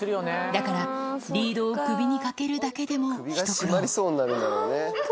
だからリードを首にかけるだけでも一苦労。